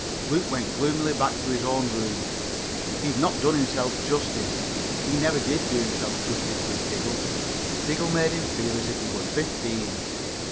Luke went gloomily back to his own room. He had not done himself justice. He never did do himself justice with Diggle. Diggle made him feel as if he were fifteen.